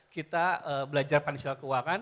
kita belajar pandisial keuangan